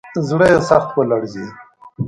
زړه یې سخت ولړزېد.